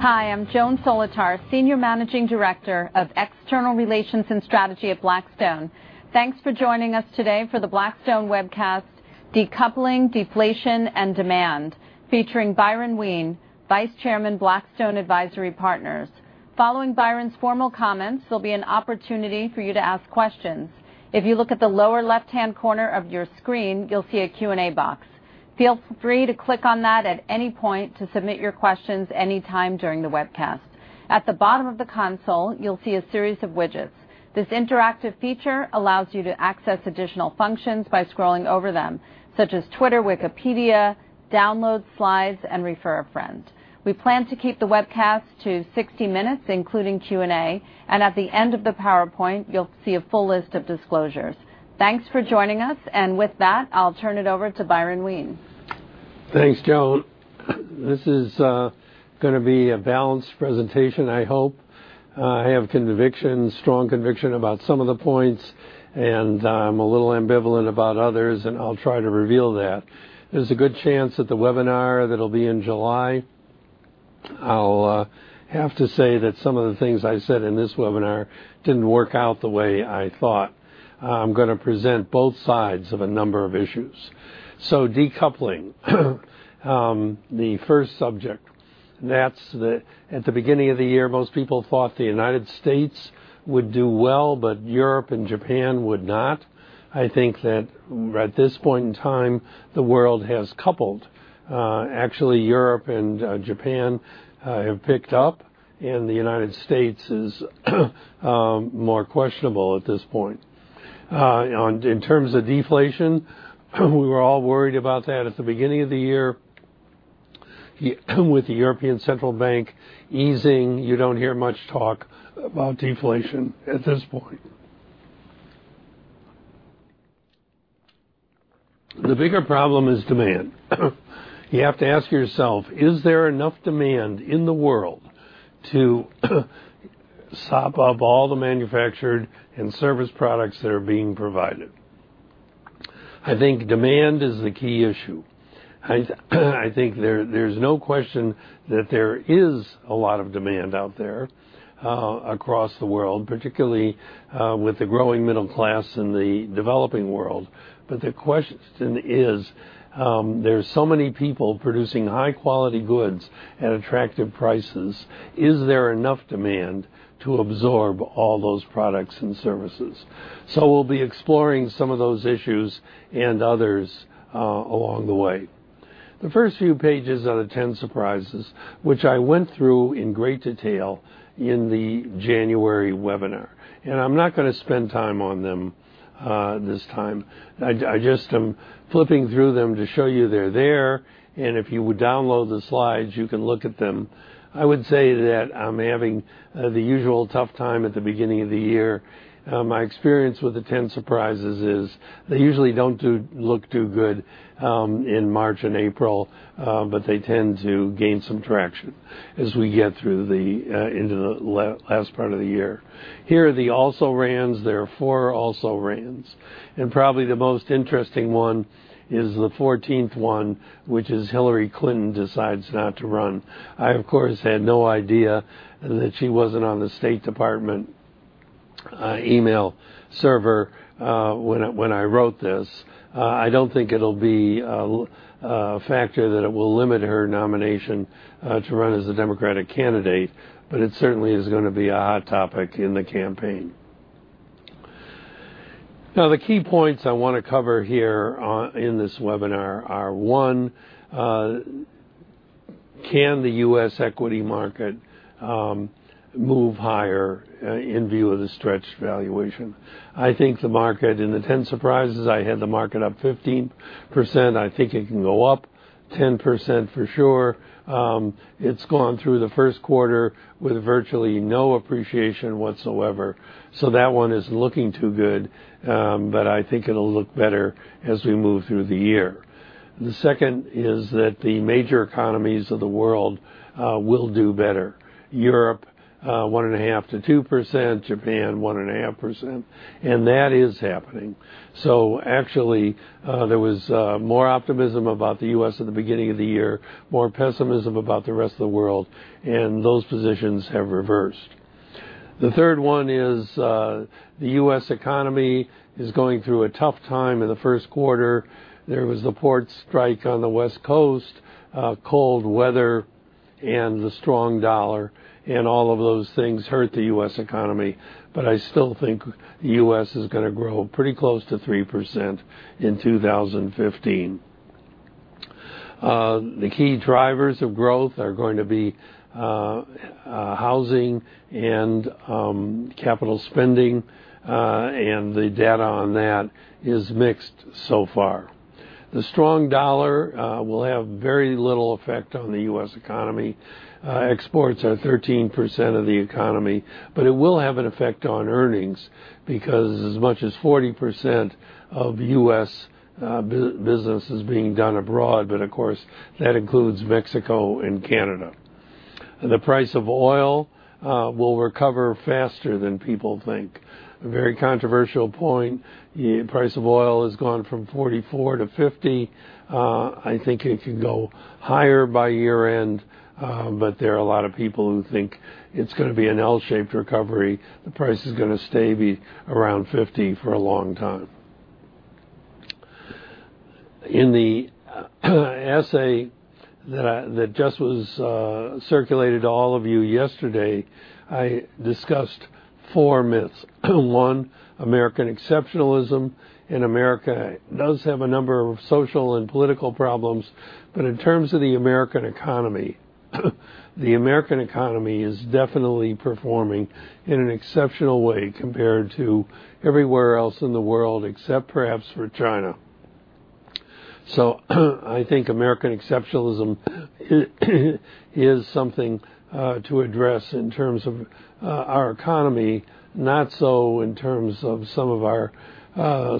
Hi, I'm Joan Solotar, Senior Managing Director of External Relations and Strategy at Blackstone. Thanks for joining us today for the Blackstone webcast, Decoupling, Deflation, and Demand, featuring Byron Wien, Vice Chairman, Blackstone Advisory Partners. Following Byron's formal comments, there'll be an opportunity for you to ask questions. If you look at the lower left-hand corner of your screen, you'll see a Q&A box. Feel free to click on that at any point to submit your questions anytime during the webcast. At the bottom of the console, you'll see a series of widgets. This interactive feature allows you to access additional functions by scrolling over them, such as Twitter, Wikipedia, download slides, and refer a friend. We plan to keep the webcast to 60 minutes, including Q&A, and at the end of the PowerPoint, you'll see a full list of disclosures. Thanks for joining us. With that, I'll turn it over to Byron Wien. Thanks, Joan. This is going to be a balanced presentation, I hope. I have strong conviction about some of the points. I'm a little ambivalent about others. I'll try to reveal that. There's a good chance that the webinar that'll be in July, I'll have to say that some of the things I said in this webinar didn't work out the way I thought. I'm going to present both sides of a number of issues. Decoupling. The first subject. At the beginning of the year, most people thought the United States would do well. Europe and Japan would not. I think that at this point in time, the world has coupled. Actually, Europe and Japan have picked up. The United States is more questionable at this point. In terms of deflation, we were all worried about that at the beginning of the year. With the European Central Bank easing, you don't hear much talk about deflation at this point. The bigger problem is demand. You have to ask yourself, is there enough demand in the world to sop up all the manufactured and service products that are being provided? I think demand is the key issue. I think there's no question that there is a lot of demand out there across the world, particularly with the growing middle class in the developing world. The question is, there's so many people producing high-quality goods at attractive prices, is there enough demand to absorb all those products and services? We'll be exploring some of those issues and others along the way. The first few pages are the 10 Surprises, which I went through in great detail in the January webinar. I'm not going to spend time on them this time. I just am flipping through them to show you they're there, if you would download the slides, you can look at them. I would say that I'm having the usual tough time at the beginning of the year. My experience with the Ten Surprises is they usually don't look too good in March and April, but they tend to gain some traction as we get into the last part of the year. Here are the also-rans. There are four also-rans. Probably the most interesting one is the 14th one, which is Hillary Clinton decides not to run. I, of course, had no idea that she wasn't on the State Department email server when I wrote this. I don't think it'll be a factor that it will limit her nomination to run as the Democratic candidate, but it certainly is going to be a hot topic in the campaign. The key points I want to cover here in this webinar are, one, can the U.S. equity market move higher in view of the stretched valuation? I think the market, in the Ten Surprises, I had the market up 15%. I think it can go up 10% for sure. It's gone through the first quarter with virtually no appreciation whatsoever. That one isn't looking too good, but I think it'll look better as we move through the year. The second is that the major economies of the world will do better. Europe, 1.5%-2%, Japan, 1.5%, that is happening. Actually, there was more optimism about the U.S. at the beginning of the year, more pessimism about the rest of the world, and those positions have reversed. The third one is the U.S. economy is going through a tough time. In the first quarter, there was the port strike on the West Coast, cold weather, and the strong dollar, and all of those things hurt the U.S. economy. I still think the U.S. is going to grow pretty close to 3% in 2015. The key drivers of growth are going to be housing and capital spending, and the data on that is mixed so far. The strong dollar will have very little effect on the U.S. economy. Exports are 13% of the economy, but it will have an effect on earnings because as much as 40% of U.S. business is being done abroad, but of course, that includes Mexico and Canada. The price of oil will recover faster than people think. A very controversial point, the price of oil has gone from $44 to $50. I think it can go higher by year-end, there are a lot of people who think it's going to be an L-shaped recovery. The price is going to stay around $50 for a long time. In the essay that just was circulated to all of you yesterday, I discussed four myths. One, American exceptionalism, and America does have a number of social and political problems, but in terms of the American economy, the American economy is definitely performing in an exceptional way compared to everywhere else in the world, except perhaps for China. I think American exceptionalism is something to address in terms of our economy, not so in terms of some of our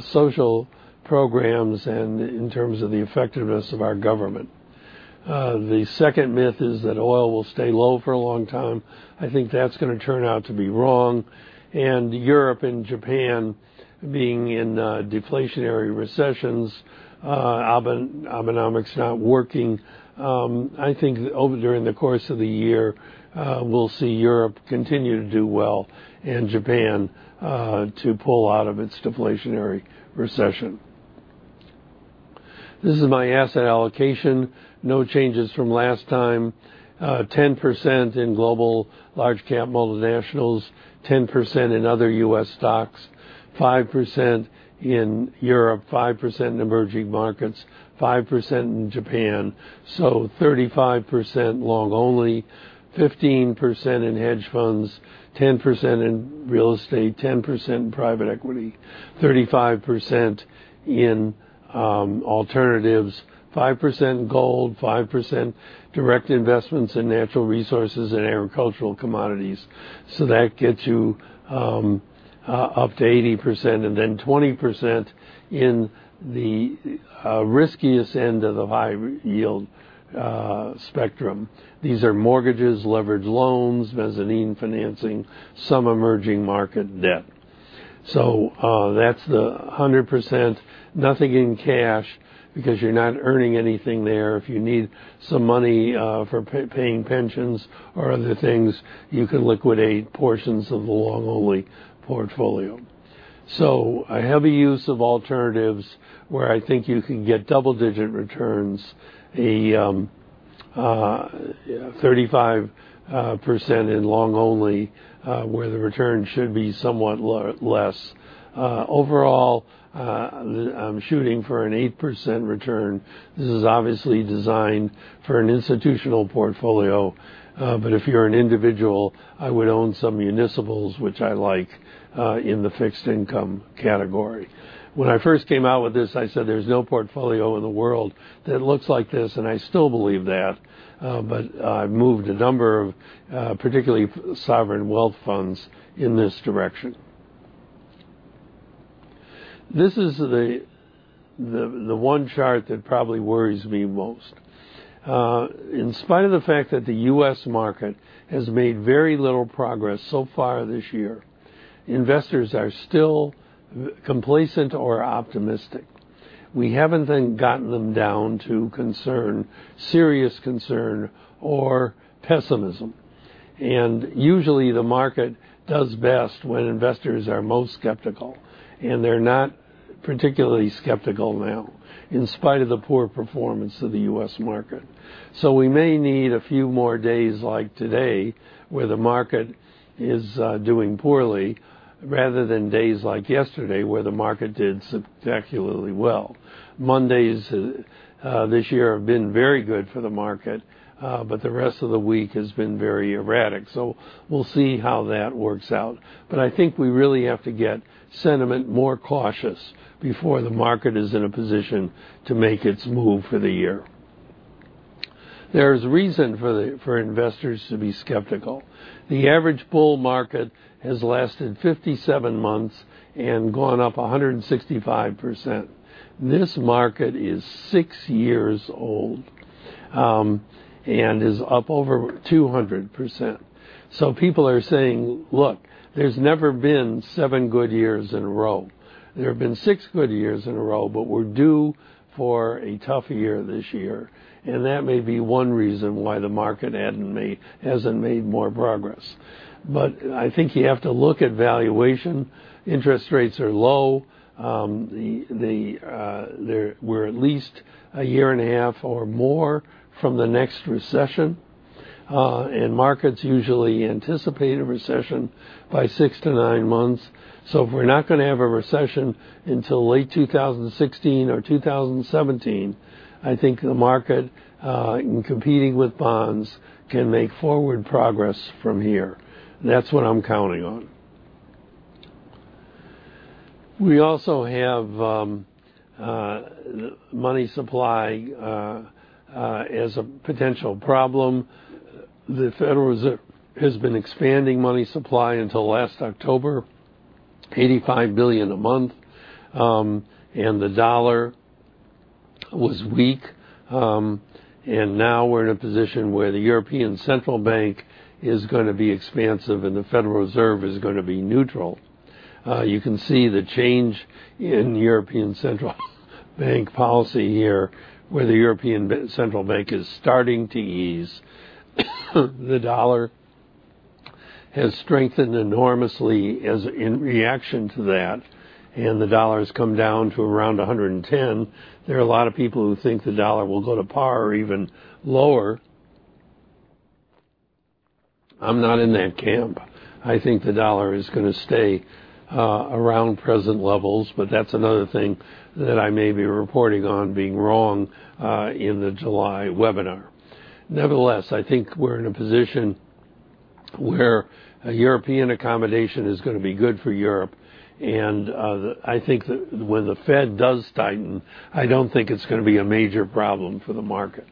social programs and in terms of the effectiveness of our government. The second myth is that oil will stay low for a long time. I think that's going to turn out to be wrong. Europe and Japan, being in deflationary recessions, Abenomics not working. I think during the course of the year, we'll see Europe continue to do well and Japan to pull out of its deflationary recession. This is my asset allocation. No changes from last time. 10% in global large-cap multinationals, 10% in other U.S. stocks, 5% in Europe, 5% in emerging markets, 5% in Japan. 35% long only, 15% in hedge funds, 10% in real estate, 10% in private equity, 35% in alternatives, 5% in gold, 5% direct investments in natural resources and agricultural commodities. That gets you up to 80%, and then 20% in the riskiest end of the high-yield spectrum. These are mortgages, leveraged loans, mezzanine financing, some emerging market debt. That's the 100%. Nothing in cash because you're not earning anything there. If you need some money for paying pensions or other things, you can liquidate portions of the long-only portfolio. A heavy use of alternatives where I think you can get double-digit returns. 35% in long only, where the return should be somewhat less. Overall, I'm shooting for an 8% return. This is obviously designed for an institutional portfolio. If you're an individual, I would own some municipals, which I like, in the fixed income category. When I first came out with this, I said there's no portfolio in the world that looks like this, and I still believe that. I've moved a number of, particularly sovereign wealth funds, in this direction. This is the one chart that probably worries me most. In spite of the fact that the U.S. market has made very little progress so far this year, investors are still complacent or optimistic. We haven't gotten them down to concern, serious concern, or pessimism. Usually, the market does best when investors are most skeptical, and they're not particularly skeptical now, in spite of the poor performance of the U.S. market. We may need a few more days like today where the market is doing poorly, rather than days like yesterday where the market did spectacularly well. Mondays this year have been very good for the market, but the rest of the week has been very erratic. We'll see how that works out. I think we really have to get sentiment more cautious before the market is in a position to make its move for the year. There's reason for investors to be skeptical. The average bull market has lasted 57 months and gone up 165%. This market is six years old, and is up over 200%. People are saying, "Look, there's never been seven good years in a row. There have been six good years in a row, but we're due for a tough year this year." That may be one reason why the market hasn't made more progress. I think you have to look at valuation. Interest rates are low. We're at least a year and a half or more from the next recession. Markets usually anticipate a recession by six to nine months. If we're not going to have a recession until late 2016 or 2017, I think the market, in competing with bonds, can make forward progress from here. That's what I'm counting on. We also have money supply as a potential problem. The Federal Reserve has been expanding money supply until last October, $85 billion a month. The dollar was weak, now we're in a position where the European Central Bank is going to be expansive and the Federal Reserve is going to be neutral. You can see the change in European Central Bank policy here, where the European Central Bank is starting to ease. The dollar has strengthened enormously in reaction to that, the dollar has come down to around 110. There are a lot of people who think the dollar will go to par or even lower. I'm not in that camp. I think the dollar is going to stay around present levels. That's another thing that I may be reporting on being wrong in the July webinar. Nevertheless, I think we're in a position where European accommodation is going to be good for Europe, I think that when the Fed does tighten, I don't think it's going to be a major problem for the market.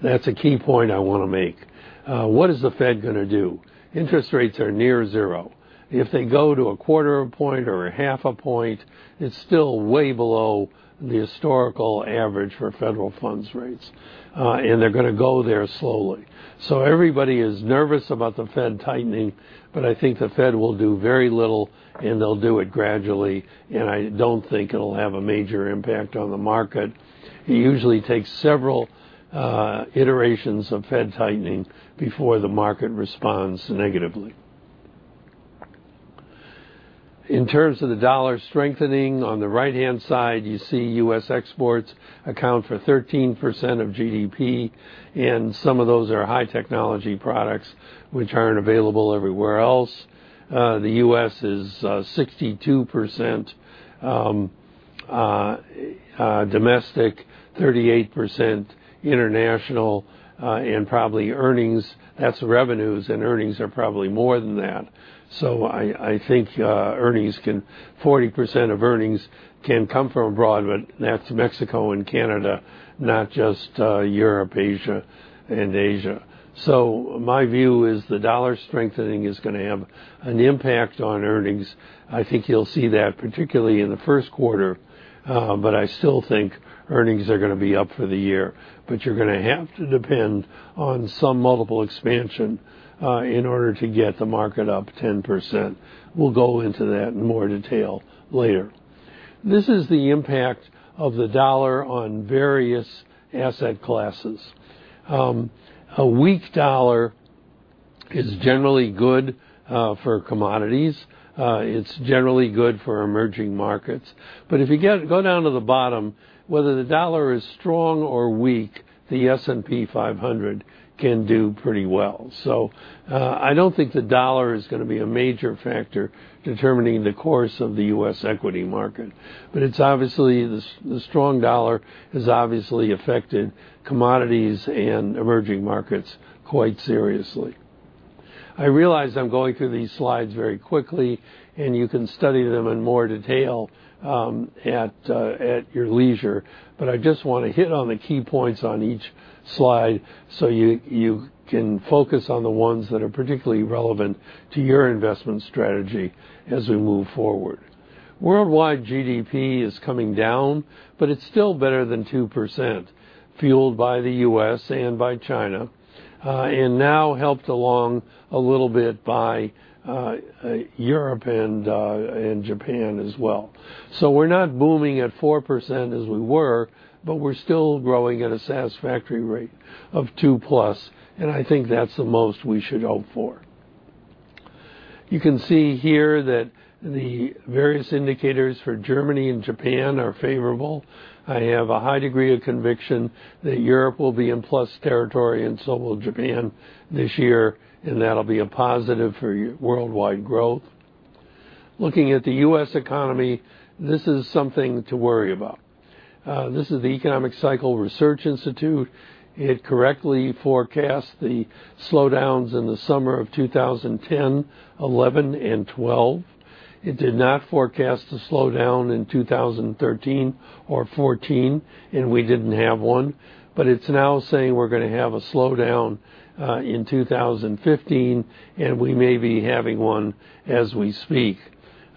That's a key point I want to make. What is the Fed going to do? Interest rates are near zero. If they go to a quarter of a point or a half a point, it's still way below the historical average for federal funds rates. They're going to go there slowly. Everybody is nervous about the Fed tightening, I think the Fed will do very little, they'll do it gradually, I don't think it'll have a major impact on the market. It usually takes several iterations of Fed tightening before the market responds negatively. In terms of the dollar strengthening, on the right-hand side, you see U.S. exports account for 13% of GDP, some of those are high-technology products which aren't available everywhere else. The U.S. is 62% domestic, 38% international, probably earnings, that's revenues, earnings are probably more than that. I think 40% of earnings can come from abroad, that's Mexico and Canada, not just Europe and Asia. My view is the dollar strengthening is going to have an impact on earnings. I think you'll see that particularly in the first quarter, I still think earnings are going to be up for the year. You're going to have to depend on some multiple expansion in order to get the market up 10%. We'll go into that in more detail later. This is the impact of the dollar on various asset classes. A weak dollar is generally good for commodities. It's generally good for emerging markets. If you go down to the bottom, whether the dollar is strong or weak, the S&P 500 can do pretty well. I don't think the dollar is going to be a major factor determining the course of the U.S. equity market. The strong dollar has obviously affected commodities and emerging markets quite seriously. I realize I'm going through these slides very quickly, you can study them in more detail at your leisure. I just want to hit on the key points on each slide so you can focus on the ones that are particularly relevant to your investment strategy as we move forward. Worldwide GDP is coming down, but it's still better than 2%, fueled by the U.S. and by China, and now helped along a little bit by Europe and Japan as well. We're not booming at 4% as we were, but we're still growing at a satisfactory rate of two-plus, and I think that's the most we should hope for. You can see here that the various indicators for Germany and Japan are favorable. I have a high degree of conviction that Europe will be in plus territory and so will Japan this year, and that'll be a positive for worldwide growth. Looking at the U.S. economy, this is something to worry about. This is the Economic Cycle Research Institute. It correctly forecast the slowdowns in the summer of 2010, 2011, and 2012. It did not forecast a slowdown in 2013 or 2014, and we didn't have one. It's now saying we're going to have a slowdown in 2015, and we may be having one as we speak.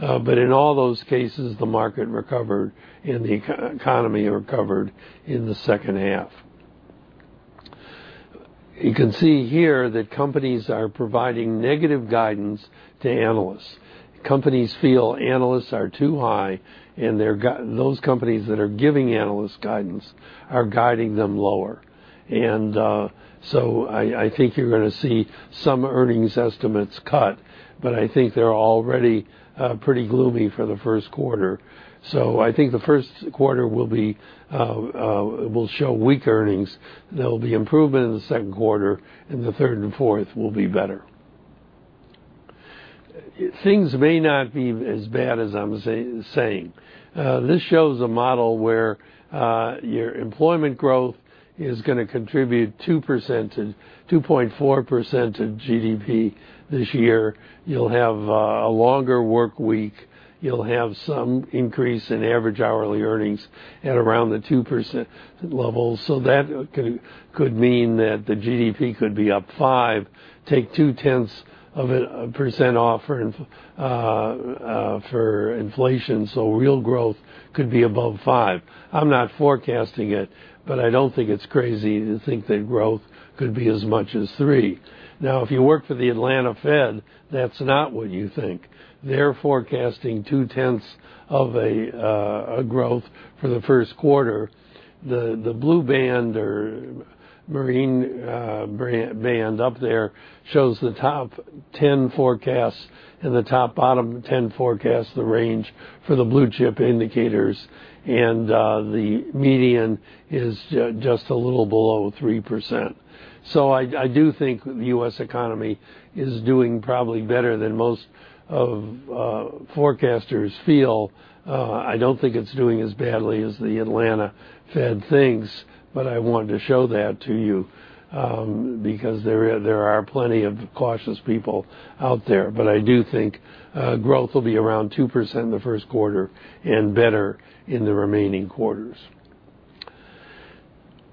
In all those cases, the market recovered and the economy recovered in the second half. You can see here that companies are providing negative guidance to analysts. Companies feel analysts are too high, and those companies that are giving analysts guidance are guiding them lower. I think you're going to see some earnings estimates cut, but I think they're already pretty gloomy for the first quarter. I think the first quarter will show weak earnings. There'll be improvement in the second quarter, and the third and fourth will be better. Things may not be as bad as I'm saying. This shows a model where your employment growth is going to contribute 2.4% of GDP this year. You'll have a longer work week. You'll have some increase in average hourly earnings at around the 2% level. That could mean that the GDP could be up five. Take two-tenths of a percent off for inflation, real growth could be above five. I'm not forecasting it, but I don't think it's crazy to think that growth could be as much as three. Now, if you work for the Atlanta Fed, that's not what you think. They're forecasting two-tenths of a growth for the first quarter. The blue band or Marine band up there shows the top 10 forecasts and the bottom 10 forecasts, the range for the Blue Chip Indicators, and the median is just a little below 3%. I do think the U.S. economy is doing probably better than most forecasters feel. I don't think it's doing as badly as the Atlanta Fed thinks, but I wanted to show that to you, because there are plenty of cautious people out there. I do think growth will be around 2% in the first quarter and better in the remaining quarters.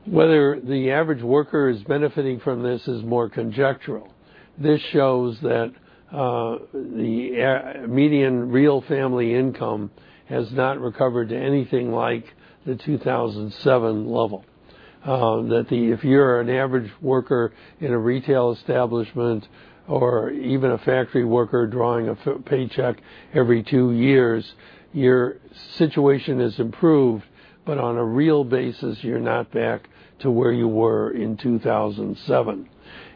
Whether the average worker is benefiting from this is more conjectural. This shows that the median real family income has not recovered to anything like the 2007 level. That if you're an average worker in a retail establishment or even a factory worker drawing a paycheck every two years, your situation has improved, but on a real basis, you're not back to where you were in 2007.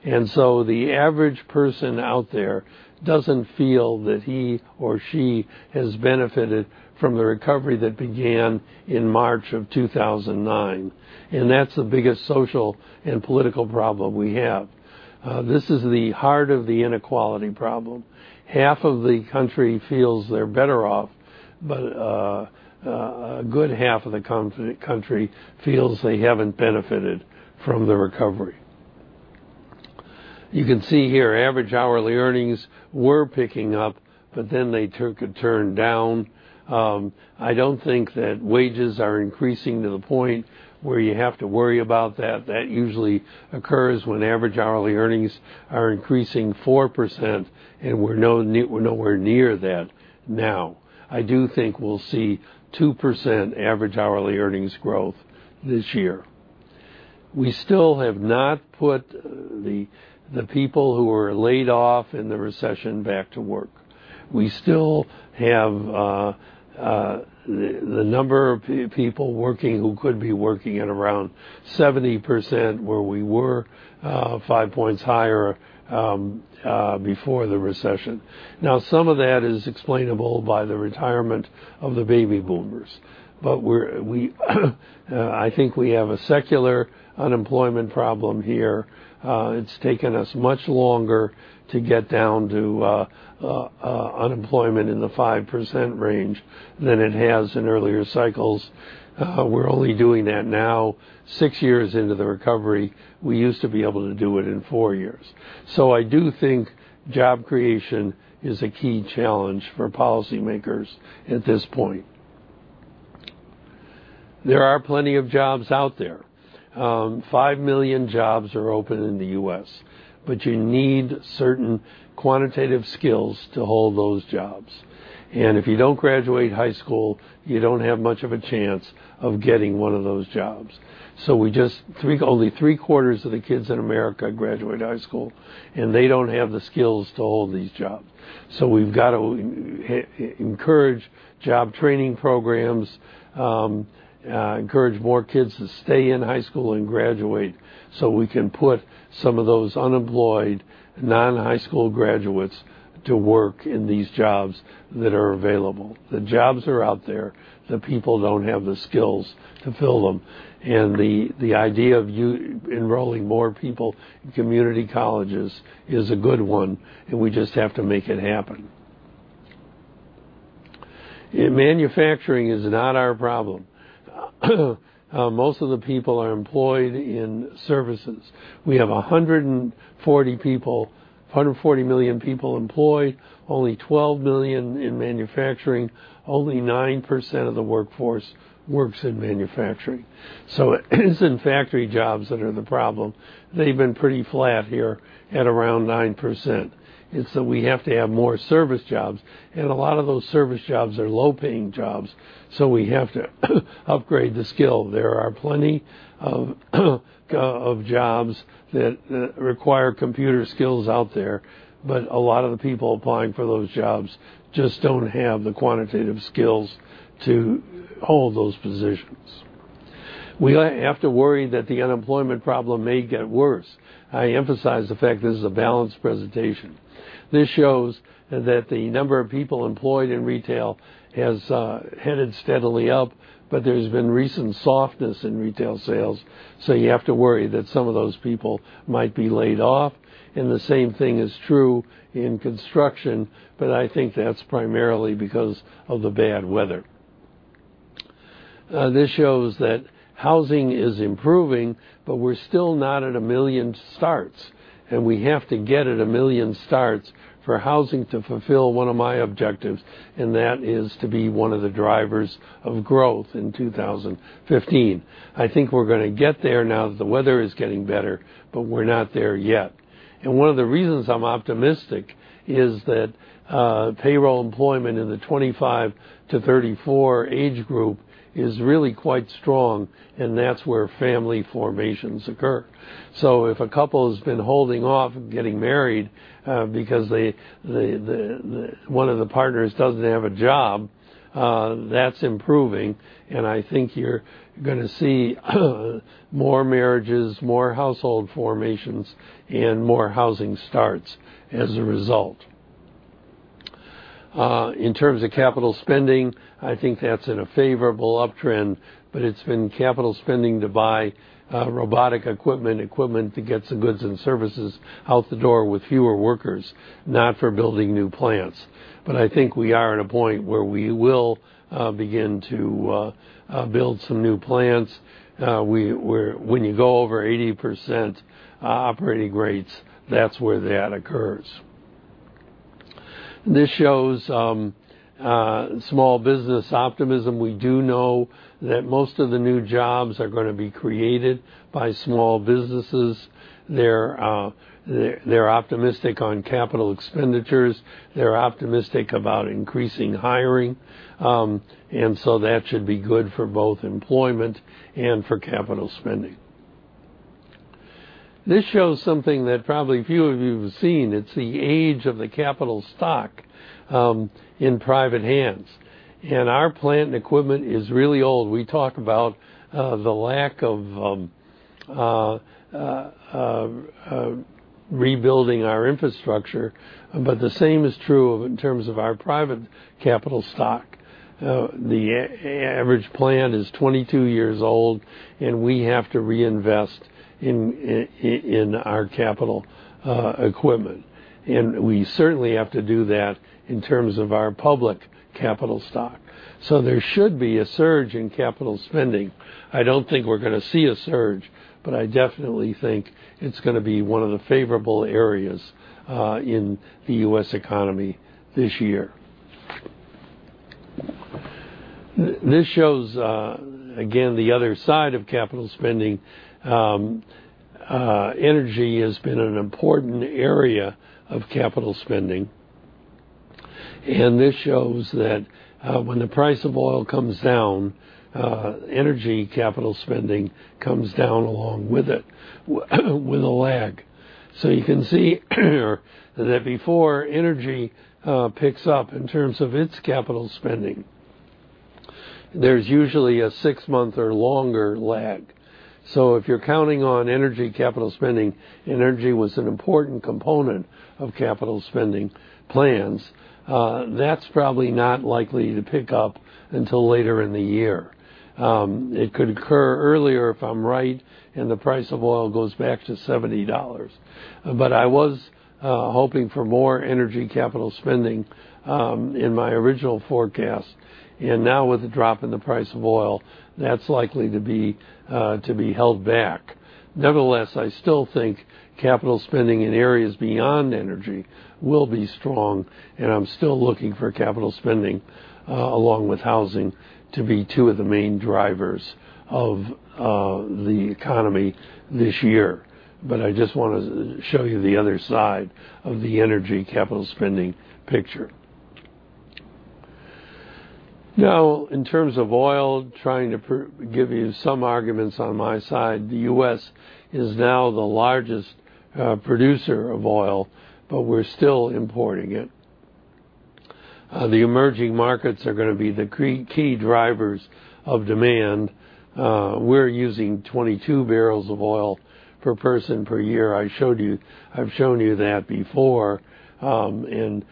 The average person out there doesn't feel that he or she has benefited from the recovery that began in March of 2009, and that's the biggest social and political problem we have. This is the heart of the inequality problem. Half of the country feels they're better off, but a good half of the country feels they haven't benefited from the recovery. You can see here average hourly earnings were picking up, but then they took a turn down. I don't think that wages are increasing to the point where you have to worry about that. That usually occurs when average hourly earnings are increasing 4%, and we're nowhere near that now. I do think we'll see 2% average hourly earnings growth this year. We still have not put the people who were laid off in the recession back to work. We still have the number of people working who could be working at around 70%, where we were five points higher before the recession. Now, some of that is explainable by the retirement of the baby boomers, but I think we have a secular unemployment problem here. It's taken us much longer to get down to unemployment in the 5% range than it has in earlier cycles. We're only doing that now six years into the recovery. We used to be able to do it in four years. I do think job creation is a key challenge for policymakers at this point. There are plenty of jobs out there. 5 million jobs are open in the U.S., but you need certain quantitative skills to hold those jobs, and if you don't graduate high school, you don't have much of a chance of getting one of those jobs. Only three-quarters of the kids in America graduate high school, and they don't have the skills to hold these jobs. We've got to encourage job training programs, encourage more kids to stay in high school and graduate so we can put some of those unemployed non-high school graduates to work in these jobs that are available. The jobs are out there. The people don't have the skills to fill them, and the idea of enrolling more people in community colleges is a good one, and we just have to make it happen. Manufacturing is not our problem. Most of the people are employed in services. We have 140 million people employed, only 12 million in manufacturing. Only 9% of the workforce works in manufacturing. It isn't factory jobs that are the problem. They've been pretty flat here at around 9%, and so we have to have more service jobs, and a lot of those service jobs are low-paying jobs, so we have to upgrade the skill. There are plenty of jobs that require computer skills out there, but a lot of the people applying for those jobs just don't have the quantitative skills to hold those positions. We have to worry that the unemployment problem may get worse. I emphasize the fact this is a balanced presentation. This shows that the number of people employed in retail has headed steadily up, but there's been recent softness in retail sales, so you have to worry that some of those people might be laid off, and the same thing is true in construction, but I think that's primarily because of the bad weather. This shows that housing is improving, but we're still not at a million starts, and we have to get at a million starts for housing to fulfill one of my objectives, and that is to be one of the drivers of growth in 2015. I think we're going to get there now that the weather is getting better, but we're not there yet. One of the reasons I'm optimistic is that payroll employment in the 25 to 34 age group is really quite strong, and that's where family formations occur. If a couple has been holding off getting married because one of the partners doesn't have a job, that's improving, and I think you're going to see more marriages, more household formations, and more housing starts as a result. In terms of capital spending, I think that's in a favorable uptrend, but it's been capital spending to buy robotic equipment to get some goods and services out the door with fewer workers, not for building new plants. I think we are at a point where we will begin to build some new plants. When you go over 80% operating rates, that's where that occurs. This shows small business optimism. We do know that most of the new jobs are going to be created by small businesses. They're optimistic on capital expenditures. They're optimistic about increasing hiring. That should be good for both employment and for capital spending. This shows something that probably few of you have seen. It's the age of the capital stock in private hands, and our plant equipment is really old. We talk about the lack of rebuilding our infrastructure, but the same is true in terms of our private capital stock. The average plant is 22 years old, and we have to reinvest in our capital equipment, and we certainly have to do that in terms of our public capital stock. There should be a surge in capital spending. I don't think we're going to see a surge, but I definitely think it's going to be one of the favorable areas in the U.S. economy this year. This shows, again, the other side of capital spending. Energy has been an important area of capital spending, and this shows that when the price of oil comes down, energy capital spending comes down along with it with a lag. You can see that before energy picks up in terms of its capital spending, there's usually a six-month or longer lag. If you're counting on energy capital spending, energy was an important component of capital spending plans, that's probably not likely to pick up until later in the year. It could occur earlier if I'm right and the price of oil goes back to $70. I was hoping for more energy capital spending in my original forecast. Now with the drop in the price of oil, that's likely to be held back. Nevertheless, I still think capital spending in areas beyond energy will be strong, and I'm still looking for capital spending, along with housing, to be two of the main drivers of the economy this year. I just want to show you the other side of the energy capital spending picture. Now, in terms of oil, trying to give you some arguments on my side, the U.S. is now the largest producer of oil, but we're still importing it. The emerging markets are going to be the key drivers of demand. We're using 22 barrels of oil per person per year. I've shown you that before, and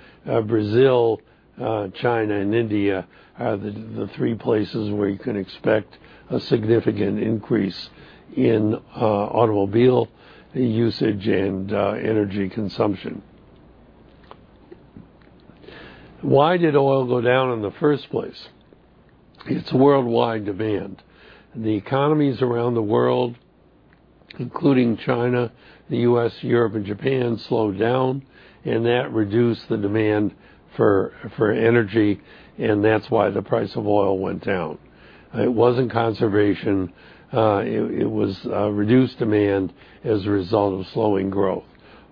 Brazil, China, and India are the three places where you can expect a significant increase in automobile usage and energy consumption. Why did oil go down in the first place? It's worldwide demand. The economies around the world, including China, the U.S., Europe, and Japan slowed down, and that reduced the demand for energy, and that's why the price of oil went down. It wasn't conservation. It was reduced demand as a result of slowing growth.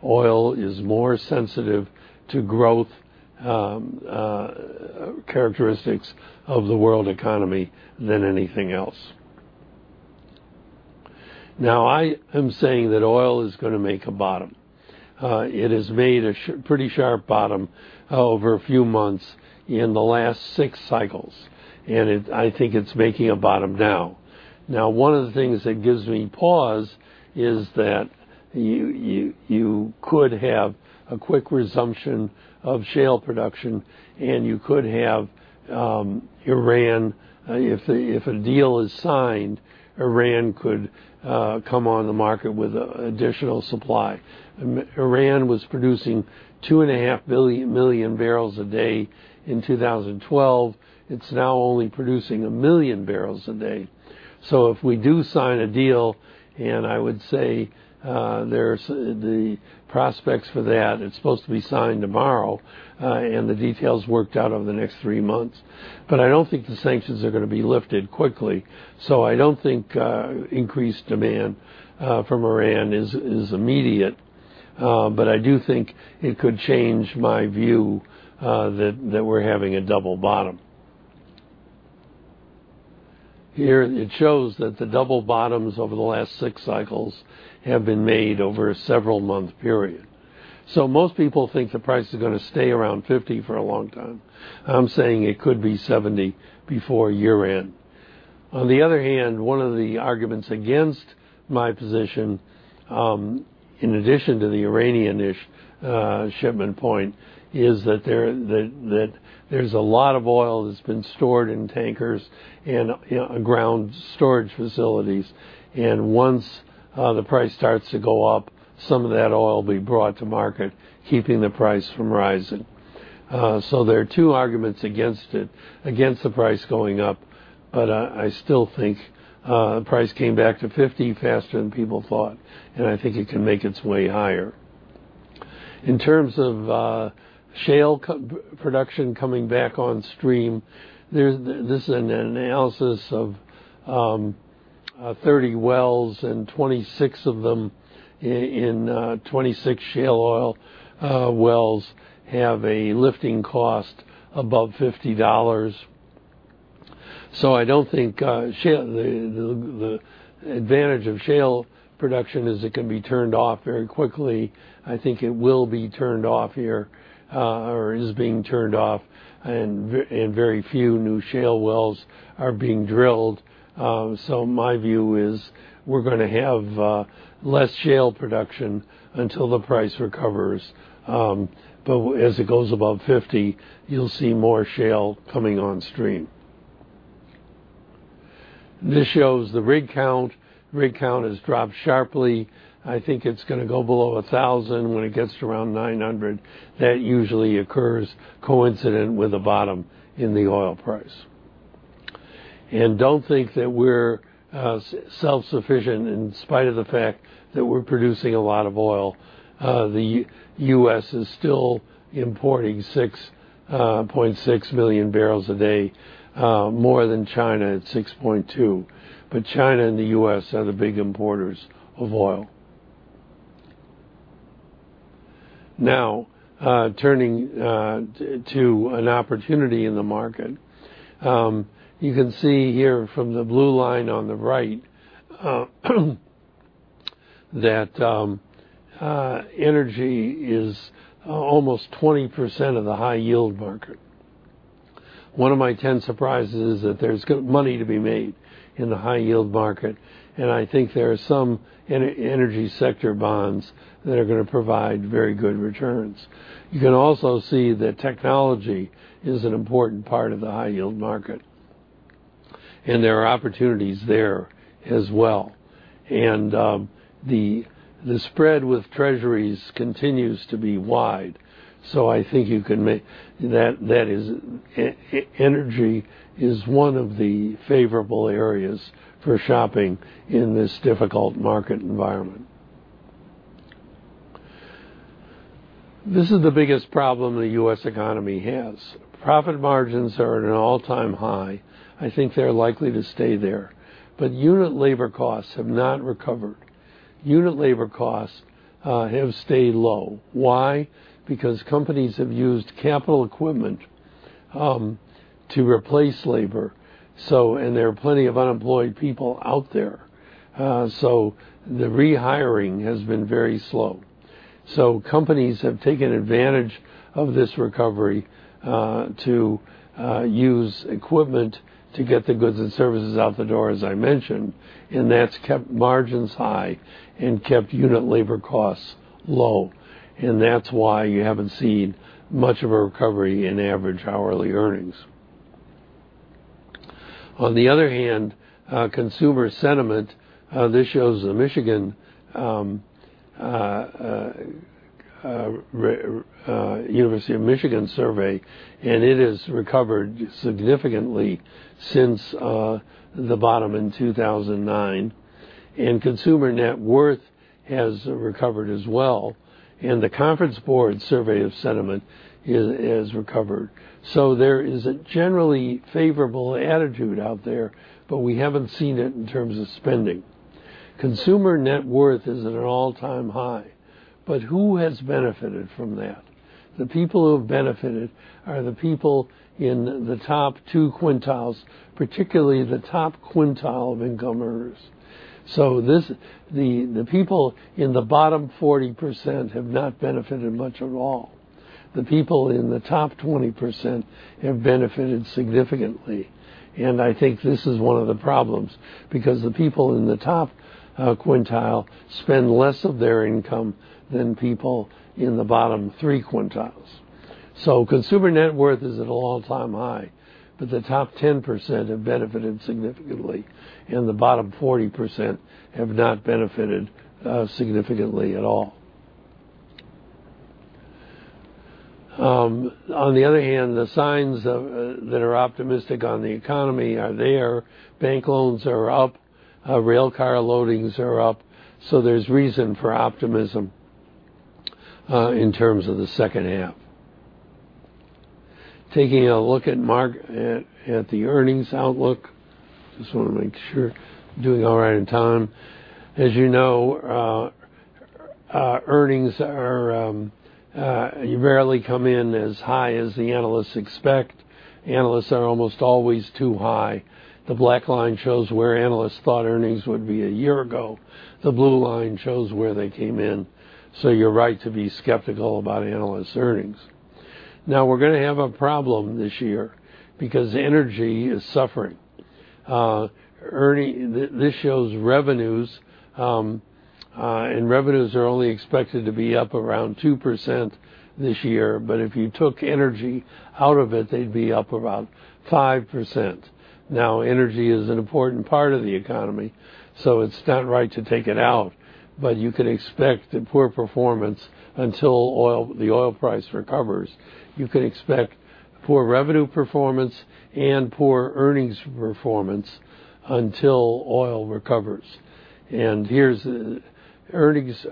Oil is more sensitive to growth characteristics of the world economy than anything else. I am saying that oil is going to make a bottom. It has made a pretty sharp bottom over a few months in the last six cycles, and I think it's making a bottom now. One of the things that gives me pause is that you could have a quick resumption of shale production, and you could have Iran, if a deal is signed, Iran could come on the market with additional supply. Iran was producing 2.5 million barrels a day in 2012. It's now only producing 1 million barrels a day. If we do sign a deal, and I would say the prospects for that, it's supposed to be signed tomorrow, and the details worked out over the next three months. I don't think the sanctions are going to be lifted quickly, I don't think increased demand from Iran is immediate. I do think it could change my view that we're having a double bottom. Here it shows that the double bottoms over the last six cycles have been made over a several month period. Most people think the price is going to stay around $50 for a long time. I'm saying it could be $70 before year-end. On the other hand, one of the arguments against my position, in addition to the Iranian shipment point, is that there's a lot of oil that's been stored in tankers and ground storage facilities. Once the price starts to go up, some of that oil will be brought to market, keeping the price from rising. There are two arguments against it, against the price going up, but I still think the price came back to $50 faster than people thought, and I think it can make its way higher. In terms of shale production coming back on stream, this is an analysis of 30 wells, and 26 of them, in 26 shale oil wells, have a lifting cost above $50. I don't think the advantage of shale production is it can be turned off very quickly. I think it will be turned off here, or is being turned off, and very few new shale wells are being drilled. My view is we're going to have less shale production until the price recovers. As it goes above $50, you'll see more shale coming on stream. This shows the rig count. Rig count has dropped sharply. I think it's going to go below 1,000. When it gets to around 900, that usually occurs coincident with a bottom in the oil price. Don't think that we're self-sufficient in spite of the fact that we're producing a lot of oil. The U.S. is still importing 6.6 million barrels a day, more than China at 6.2 million barrels. China and the U.S. are the big importers of oil. Turning to an opportunity in the market. You can see here from the blue line on the right that energy is almost 20% of the high-yield market. One of my Ten Surprises is that there's money to be made in the high-yield market, and I think there are some energy sector bonds that are going to provide very good returns. You can also see that technology is an important part of the high-yield market, and there are opportunities there as well. The spread with treasuries continues to be wide. I think energy is one of the favorable areas for shopping in this difficult market environment. This is the biggest problem the U.S. economy has. Profit margins are at an all-time high. I think they're likely to stay there. Unit labor costs have not recovered. Unit labor costs have stayed low. Why? Because companies have used capital equipment to replace labor, and there are plenty of unemployed people out there. The rehiring has been very slow. Companies have taken advantage of this recovery to use equipment to get the goods and services out the door, as I mentioned, and that's kept margins high and kept unit labor costs low. That's why you haven't seen much of a recovery in average hourly earnings. On the other hand, consumer sentiment, this shows the University of Michigan survey, and it has recovered significantly since the bottom in 2009. Consumer net worth has recovered as well. The Conference Board survey of sentiment has recovered. There is a generally favorable attitude out there, but we haven't seen it in terms of spending. Consumer net worth is at an all-time high. Who has benefited from that? The people who have benefited are the people in the top two quintiles, particularly the top quintile of income earners. The people in the bottom 40% have not benefited much at all. The people in the top 20% have benefited significantly, and I think this is one of the problems, because the people in the top quintile spend less of their income than people in the bottom three quintiles. Consumer net worth is at an all-time high, but the top 10% have benefited significantly, and the bottom 40% have not benefited significantly at all. On the other hand, the signs that are optimistic on the economy are there. Bank loans are up. Railcar loadings are up. There's reason for optimism in terms of the second half. Taking a look at the earnings outlook. Just want to make sure I'm doing all right on time. As you know, earnings rarely come in as high as the analysts expect. Analysts are almost always too high. The black line shows where analysts thought earnings would be a year ago. The blue line shows where they came in. You're right to be skeptical about analyst earnings. We're going to have a problem this year because energy is suffering. This shows revenues, and revenues are only expected to be up around 2% this year. If you took energy out of it, they'd be up about 5%. Energy is an important part of the economy, so it's not right to take it out, but you can expect a poor performance until the oil price recovers. You can expect poor revenue performance and poor earnings performance until oil recovers. Here's the earnings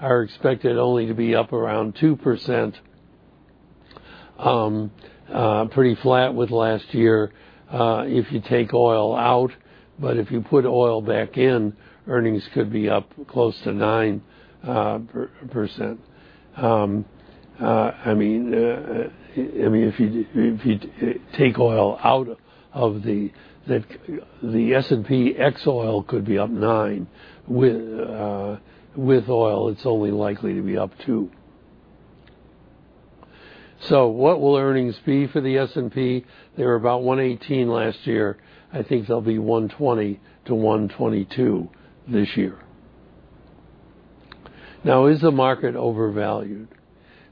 are expected only to be up around 2%, pretty flat with last year if you take oil out. If you put oil back in, earnings could be up close to 9%. If you take oil out of the S&P, ex oil could be up nine. With oil, it's only likely to be up two. What will earnings be for the S&P? They were about 118 last year. I think they'll be 120 to 122 this year. Is the market overvalued?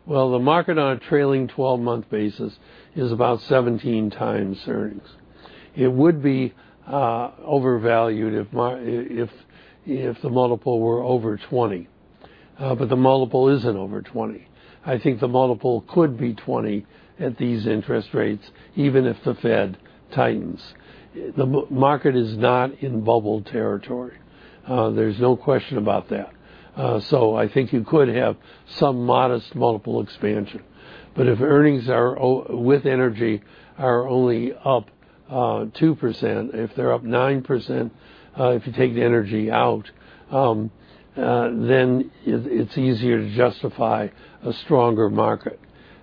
The market on a trailing 12-month basis is about 17 times earnings. It would be overvalued if the multiple were over 20. The multiple isn't over 20. I think the multiple could be 20 at these interest rates, even if the Fed tightens. The market is not in bubble territory. There's no question about that. I think you could have some modest multiple expansion. If earnings with energy are only up 2%, if they're up 9%, if you take the energy out, then it's easier to justify a stronger market.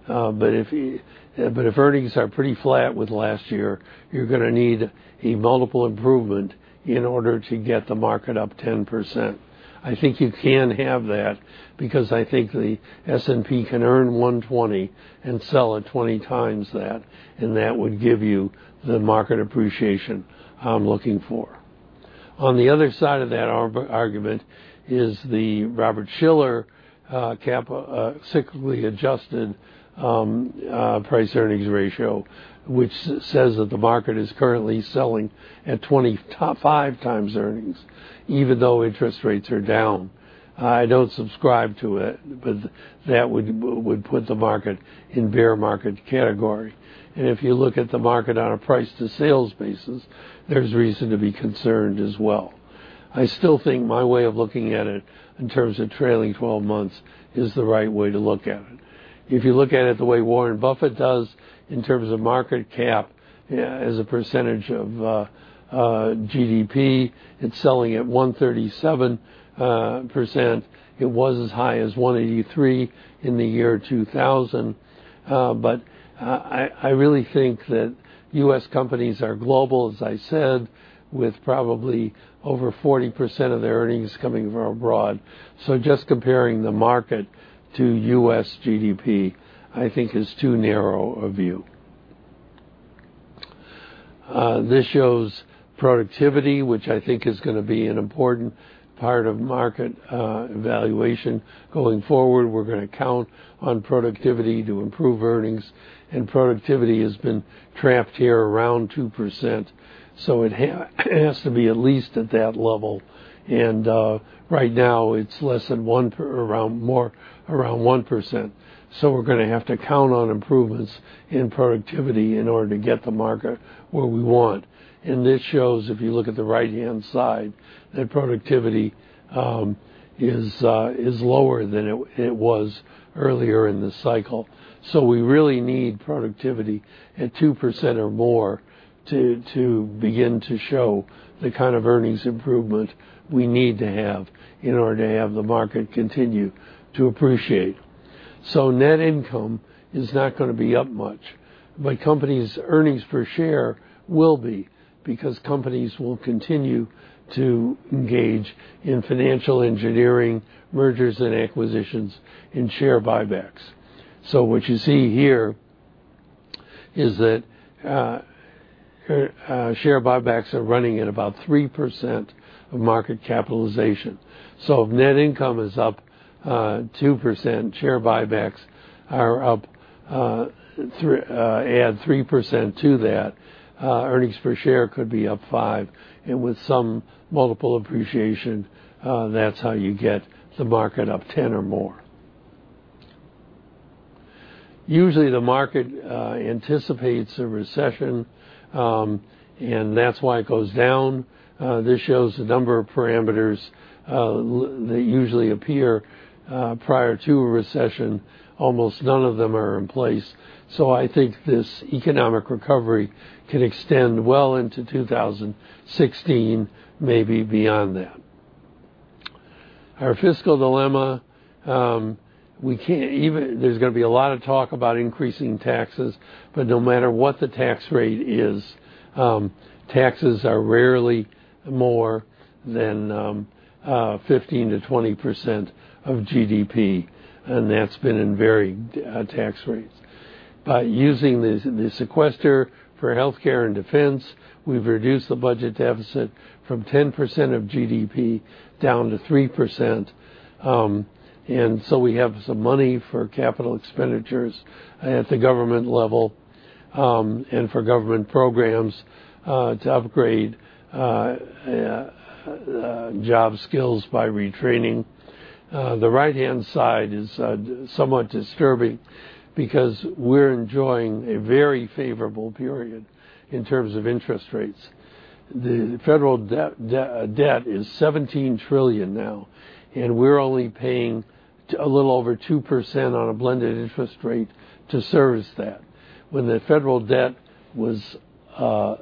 If earnings are pretty flat with last year, you're going to need a multiple improvement in order to get the market up 10%. I think you can have that because I think the S&P can earn 120 and sell at 20 times that, and that would give you the market appreciation I'm looking for. On the other side of that argument is the Robert Shiller cyclically adjusted price earnings ratio, which says that the market is currently selling at 25 times earnings, even though interest rates are down. I don't subscribe to it, that would put the market in bear market category. If you look at the market on a price to sales basis, there's reason to be concerned as well. I still think my way of looking at it in terms of trailing 12 months is the right way to look at it. If you look at it the way Warren Buffett does in terms of market cap as a percentage of GDP, it's selling at 137%. It was as high as 183 in the year 2000. I really think that U.S. companies are global, as I said, with probably over 40% of their earnings coming from abroad. Just comparing the market to U.S. GDP, I think is too narrow a view. This shows productivity, which I think is going to be an important part of market evaluation going forward. We're going to count on productivity to improve earnings, and productivity has been trapped here around 2%. It has to be at least at that level. Right now it's around 1%. We're going to have to count on improvements in productivity in order to get the market where we want. This shows, if you look at the right-hand side, that productivity is lower than it was earlier in the cycle. We really need productivity at 2% or more to begin to show the kind of earnings improvement we need to have in order to have the market continue to appreciate. Net income is not going to be up much, but companies' earnings per share will be, because companies will continue to engage in financial engineering, mergers and acquisitions, and share buybacks. What you see here is that share buybacks are running at about 3% of market capitalization. If net income is up 2%, share buybacks are up, add 3% to that, earnings per share could be up five, and with some multiple appreciation, that's how you get the market up 10 or more. Usually, the market anticipates a recession, and that's why it goes down. This shows the number of parameters that usually appear prior to a recession. Almost none of them are in place. I think this economic recovery could extend well into 2016, maybe beyond that. Our fiscal dilemma, there's going to be a lot of talk about increasing taxes, but no matter what the tax rate is, taxes are rarely more than 15%-20% of GDP, and that's been in varied tax rates. By using the sequester for healthcare and defense, we've reduced the budget deficit from 10% of GDP down to 3%. We have some money for capital expenditures at the government level, and for government programs to upgrade job skills by retraining. The right-hand side is somewhat disturbing because we're enjoying a very favorable period in terms of interest rates. The federal debt is $17 trillion now, and we're only paying a little over 2% on a blended interest rate to service that. When the federal debt was $6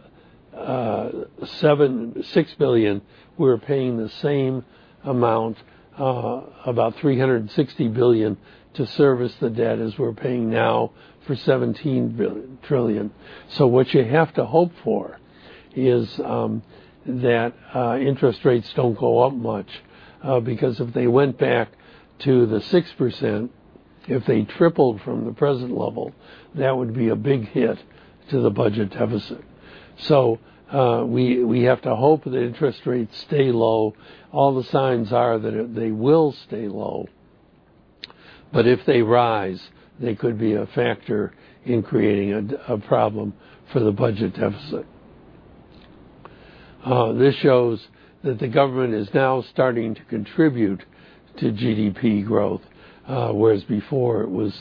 trillion, we were paying the same amount, about $360 billion, to service the debt as we're paying now for $17 trillion. What you have to hope for is that interest rates don't go up much, because if they went back to the 6%, if they tripled from the present level, that would be a big hit to the budget deficit. We have to hope that interest rates stay low. All the signs are that they will stay low. If they rise, they could be a factor in creating a problem for the budget deficit. This shows that the government is now starting to contribute to GDP growth, whereas before it was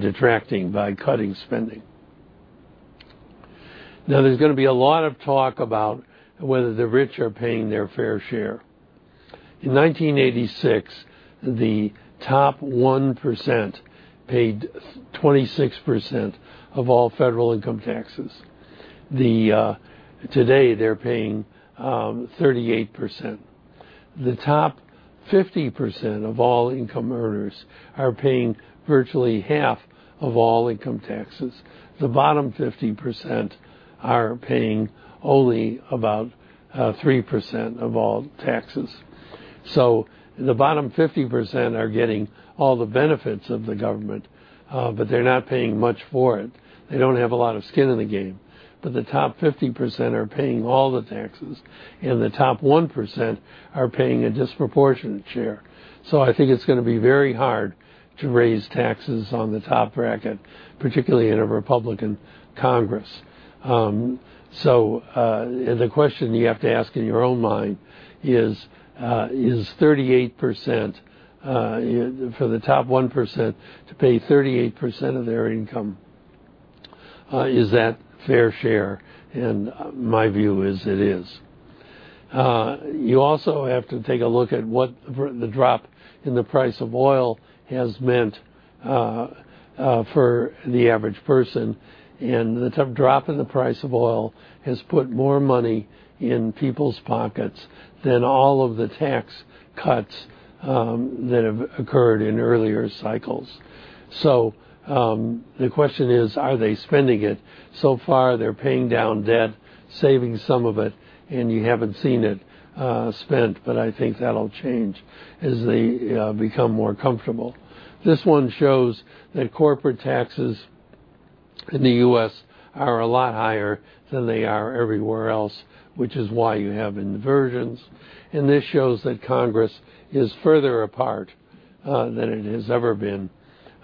detracting by cutting spending. There's going to be a lot of talk about whether the rich are paying their fair share. In 1986, the top 1% paid 26% of all federal income taxes. Today, they're paying 38%. The top 50% of all income earners are paying virtually half of all income taxes. The bottom 50% are paying only about 3% of all taxes. The bottom 50% are getting all the benefits of the government, but they're not paying much for it. They don't have a lot of skin in the game. The top 50% are paying all the taxes, and the top 1% are paying a disproportionate share. I think it's going to be very hard to raise taxes on the top bracket, particularly in a Republican Congress. The question you have to ask in your own mind is, for the top 1%, to pay 38% of their income, is that fair share? My view is, it is. You also have to take a look at what the drop in the price of oil has meant for the average person. The drop in the price of oil has put more money in people's pockets than all of the tax cuts that have occurred in earlier cycles. The question is: are they spending it? So far, they're paying down debt, saving some of it, and you haven't seen it spent, but I think that'll change as they become more comfortable. This one shows that corporate taxes in the U.S. are a lot higher than they are everywhere else, which is why you have inversions. This shows that Congress is further apart than it has ever been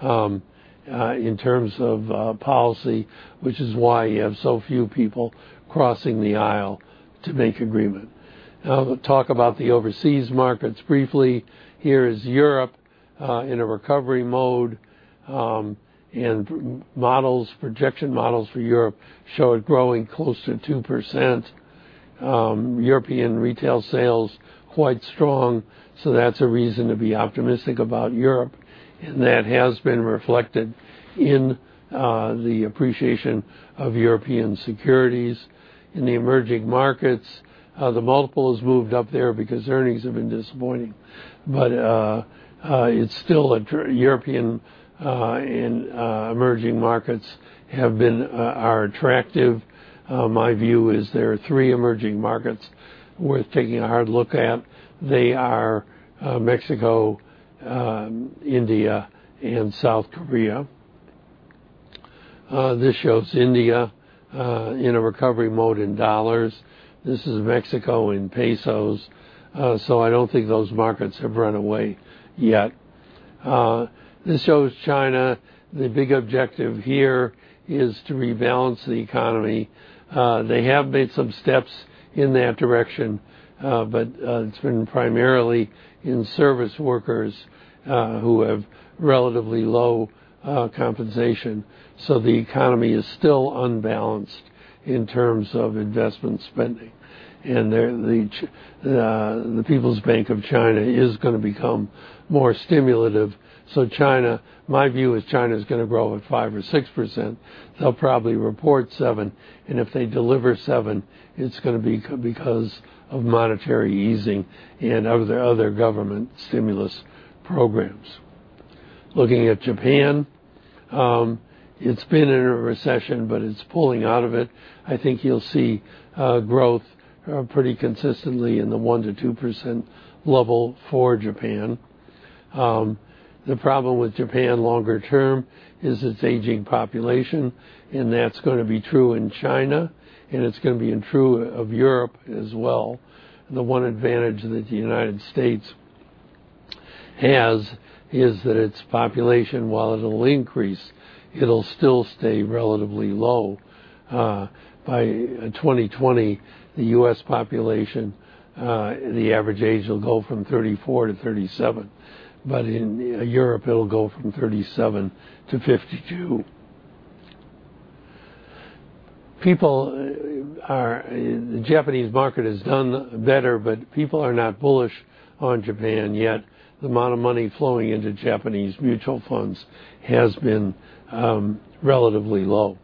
in terms of policy, which is why you have so few people crossing the aisle to make agreement. Now, I'll talk about the overseas markets briefly. Here is Europe, in a recovery mode. Projection models for Europe show it growing close to 2%. European retail sales, quite strong, so that's a reason to be optimistic about Europe. That has been reflected in the appreciation of European securities. In the emerging markets, the multiple has moved up there because earnings have been disappointing. European emerging markets are attractive. My view is there are three emerging markets worth taking a hard look at. They are Mexico, India, and South Korea. This shows India in a recovery mode in dollars. This is Mexico in pesos. I don't think those markets have run away yet. This shows China. The big objective here is to rebalance the economy. They have made some steps in that direction, but it's been primarily in service workers who have relatively low compensation. So the economy is still unbalanced in terms of investment spending. The People's Bank of China is going to become more stimulative. My view is China is going to grow at 5% or 6%. They'll probably report 7%, and if they deliver 7%, it's going to be because of monetary easing and other government stimulus programs. Looking at Japan, it's been in a recession, but it's pulling out of it. I think you'll see growth pretty consistently in the 1% to 2% level for Japan. The problem with Japan longer term is its aging population, and that's going to be true in China, and it's going to be true of Europe as well. The one advantage that the United States has is that its population, while it'll increase, it'll still stay relatively low. By 2020, the U.S. population, the average age will go from 34 to 37. But in Europe, it'll go from 37 to 52. The Japanese market has done better, but people are not bullish on Japan yet. The amount of money flowing into Japanese mutual funds has been relatively low.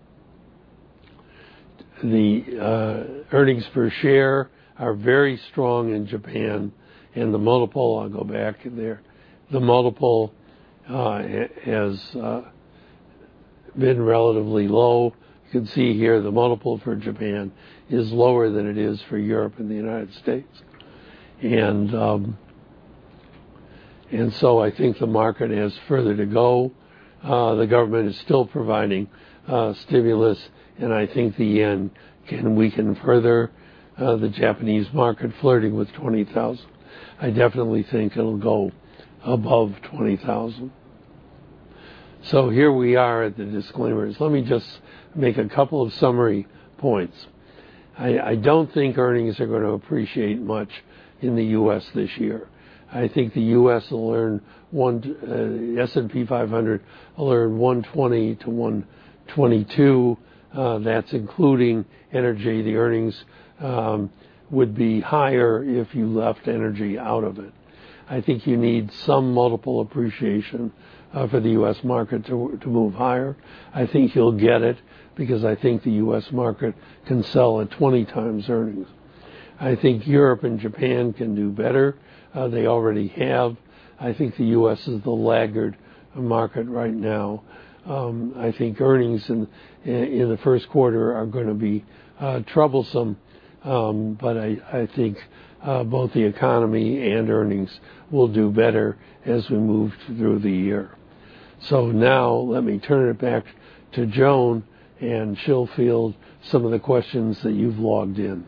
The earnings per share are very strong in Japan, and the multiple, I'll go back there. The multiple has been relatively low. You can see here the multiple for Japan is lower than it is for Europe and the United States. I think the market has further to go. The government is still providing stimulus, and I think the yen can weaken further the Japanese market flirting with 20,000. I definitely think it'll go above 20,000. So here we are at the disclaimers. Let me just make a couple of summary points. I don't think earnings are going to appreciate much in the U.S. this year. I think the U.S. will earn, S&P 500 will earn 120 to 122. That's including energy. The earnings would be higher if you left energy out of it. I think you need some multiple appreciation for the U.S. market to move higher. I think you'll get it because I think the U.S. market can sell at 20 times earnings. I think Europe and Japan can do better. They already have. I think the U.S. is the laggard market right now. I think earnings in the first quarter are going to be troublesome. I think both the economy and earnings will do better as we move through the year. Now let me turn it back to Joan, and she'll field some of the questions that you've logged in.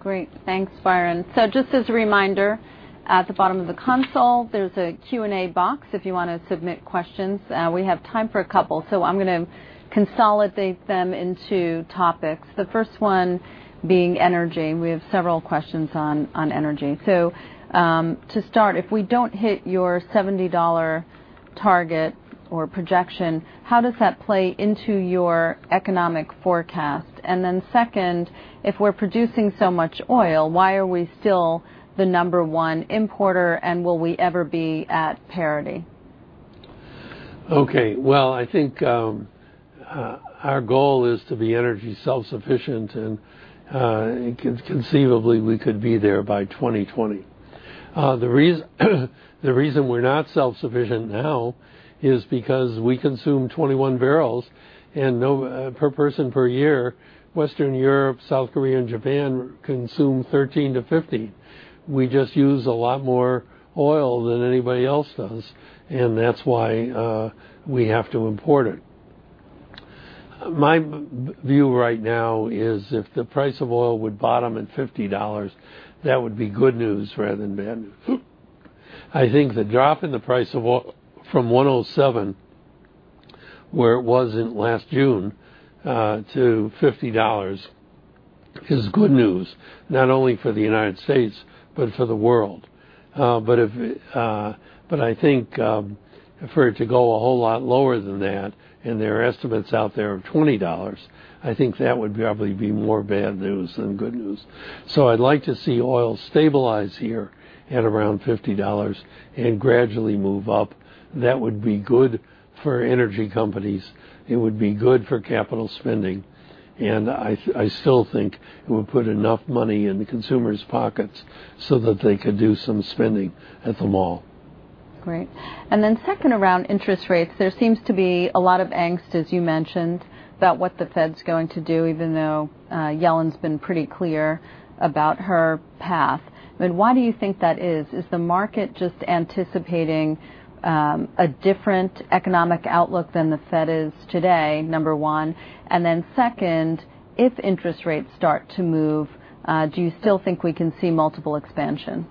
Great. Thanks, Byron. Just as a reminder, at the bottom of the console, there's a Q&A box if you want to submit questions. We have time for a couple, so I'm going to consolidate them into topics. The first one being energy. We have several questions on energy. To start, if we don't hit your $70 target or projection, how does that play into your economic forecast? Then second, if we're producing so much oil, why are we still the number 1 importer, and will we ever be at parity? Okay. Well, I think our goal is to be energy self-sufficient, and conceivably, we could be there by 2020. The reason we're not self-sufficient now is because we consume 21 barrels per person per year. Western Europe, South Korea, and Japan consume 13 to 50. We just use a lot more oil than anybody else does, and that's why we have to import it. My view right now is if the price of oil would bottom at $50, that would be good news rather than bad news. I think the drop in the price of oil from $107, where it was in last June, to $50 is good news, not only for the United States but for the world. I think for it to go a whole lot lower than that, and there are estimates out there of $20, I think that would probably be more bad news than good news. I'd like to see oil stabilize here at around $50 and gradually move up. That would be good for energy companies. It would be good for capital spending. I still think it would put enough money in the consumers' pockets so that they could do some spending at the mall. Great. Second, around interest rates, there seems to be a lot of angst, as you mentioned, about what the Fed's going to do, even though Yellen's been pretty clear about her path. Why do you think that is? Is the market just anticipating a different economic outlook than the Fed is today, number 1? Second, if interest rates start to move, do you still think we can see multiple expansion?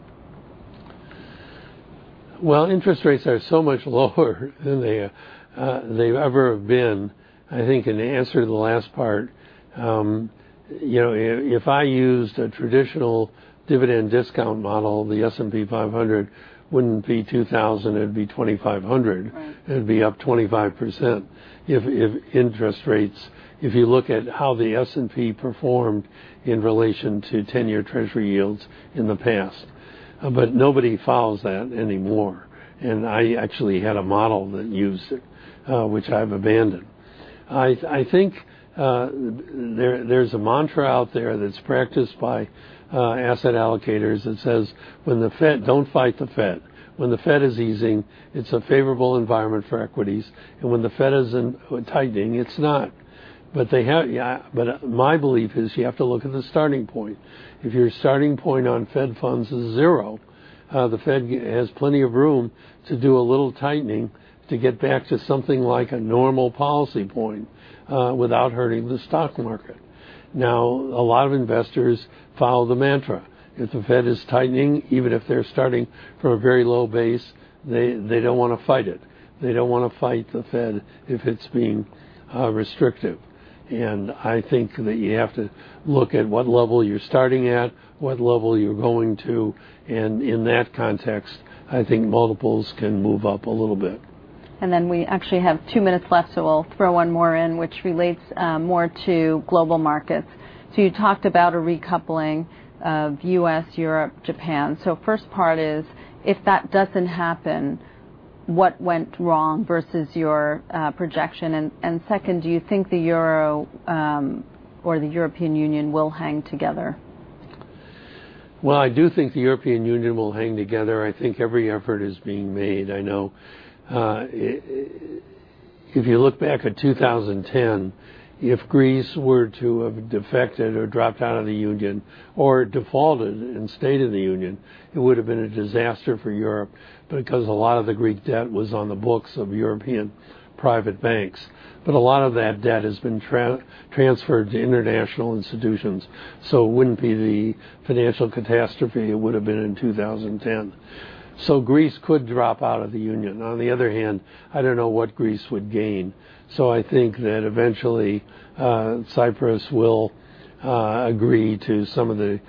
Well, interest rates are so much lower than they've ever been. I think in answer to the last part, if I used a traditional dividend discount model, the S&P 500 wouldn't be 2,000; it'd be 2,500. Right. It'd be up 25% if you look at how the S&P performed in relation to 10-year Treasury yields in the past. Nobody follows that anymore, I actually had a model that used it, which I've abandoned. I think There's a mantra out there that's practiced by asset allocators that says, "Don't fight the Fed." When the Fed is easing, it's a favorable environment for equities, and when the Fed isn't tightening, it's not. My belief is you have to look at the starting point. If your starting point on Fed funds is zero, the Fed has plenty of room to do a little tightening to get back to something like a normal policy point without hurting the stock market. A lot of investors follow the mantra. If the Fed is tightening, even if they're starting from a very low base, they don't want to fight it. They don't want to fight the Fed if it's being restrictive. I think that you have to look at what level you're starting at, what level you're going to, and in that context, I think multiples can move up a little bit. We actually have 2 minutes left, so we'll throw one more in, which relates more to global markets. You talked about a recoupling of U.S., Europe, Japan. First part is, if that doesn't happen, what went wrong versus your projection? Second, do you think the Euro or the European Union will hang together? I do think the European Union will hang together. I think every effort is being made. I know if you look back at 2010, if Greece were to have defected or dropped out of the Union or defaulted and stayed in the Union, it would have been a disaster for Europe because a lot of the Greek debt was on the books of European private banks. A lot of that debt has been transferred to international institutions, so it wouldn't be the financial catastrophe it would have been in 2010. Greece could drop out of the Union. On the other hand, I don't know what Greece would gain. I think that eventually Tsipras will agree to some of the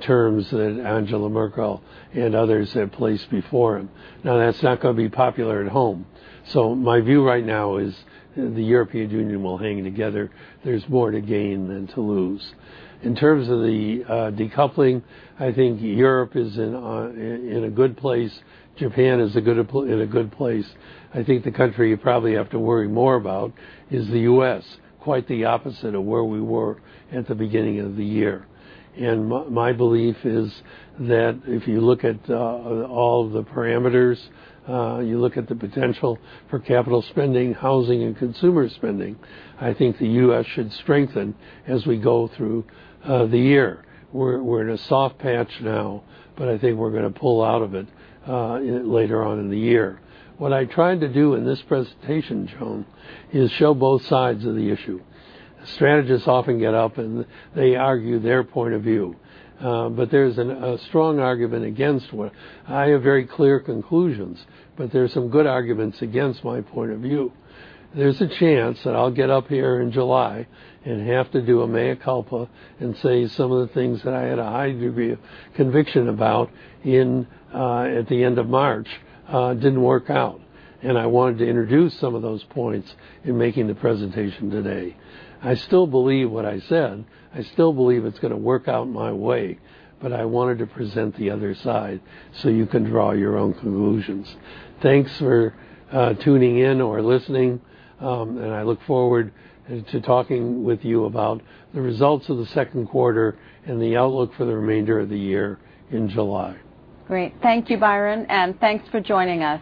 terms that Angela Merkel and others have placed before them. That's not going to be popular at home. My view right now is the European Union will hang together. There's more to gain than to lose. In terms of the decoupling, I think Europe is in a good place. Japan is in a good place. I think the country you probably have to worry more about is the U.S., quite the opposite of where we were at the beginning of the year. My belief is that if you look at all the parameters, you look at the potential for capital spending, housing, and consumer spending, I think the U.S. should strengthen as we go through the year. We're in a soft patch now, but I think we're going to pull out of it later on in the year. What I tried to do in this presentation, Joan, is show both sides of the issue. Strategists often get up and they argue their point of view, there's a strong argument against one. I have very clear conclusions, there are some good arguments against my point of view. There's a chance that I'll get up here in July and have to do a mea culpa and say some of the things that I had a high degree of conviction about at the end of March didn't work out, I wanted to introduce some of those points in making the presentation today. I still believe what I said. I still believe it's going to work out my way, I wanted to present the other side so you can draw your own conclusions. Thanks for tuning in or listening. I look forward to talking with you about the results of the second quarter and the outlook for the remainder of the year in July. Great. Thank you, Byron. Thanks for joining us.